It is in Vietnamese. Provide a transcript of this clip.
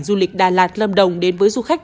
du lịch đà lạt lâm đồng đến với du khách